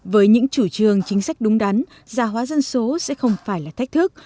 với những chủ trương chính sách đúng đắn gia hóa dân số sẽ không phải là thách thức